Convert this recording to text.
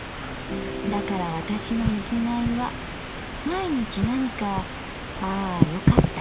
だから私の生きがいは毎日何か『ああよかった』